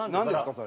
それ。